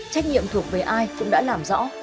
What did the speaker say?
trách nhiệm thuộc về ai cũng đã làm rõ